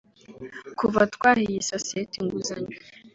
Kuva twaha iyi sosiyete inguzanyo